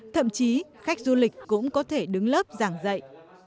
thậm chí khách du lịch cũng có thể đứng lớp giảng dạy